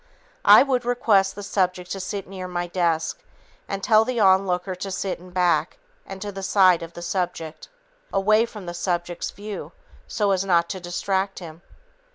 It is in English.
I would request the subject to sit near my desk and tell the onlooker to sit in back and to the side of the subject, away from the subject's view so as not to distract him.